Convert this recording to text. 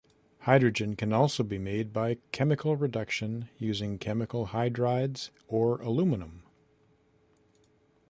Hydrogen can also be made by chemical reduction using chemical hydrides or aluminum.